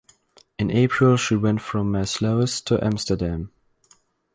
In April she went from Maassluis to Amsterdam.